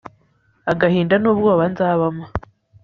agahinda n'ubwoba nzabamo